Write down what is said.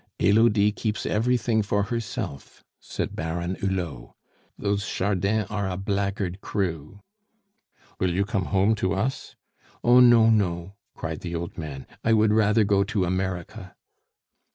"Elodie keeps everything for herself," said Baron Hulot. "Those Chardins are a blackguard crew." "Will you come home to us?" "Oh, no, no!" cried the old man. "I would rather go to America."